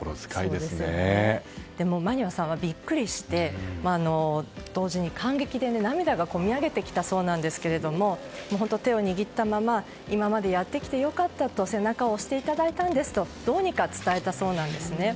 でも摩庭さんはビックリして同時に感激で、涙が込み上げてきたそうなんですけど手を握ったまま今までやってきてよかったと背中を押していただいたんですとどうにか伝えたそうなんですね。